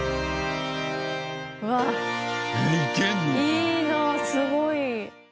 いいなあすごい。